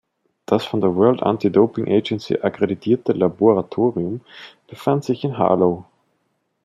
Das von der World Anti-Doping Agency akkreditierte Laboratorium befand sich in Harlow.